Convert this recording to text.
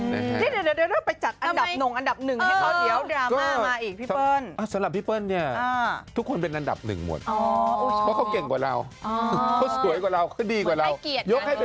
เดี๋ยวไปจัดอันดับหน่องอันดับหนึ่งให้เขาเดี๋ยวดราม่ามาอีกพี่เปิ้ล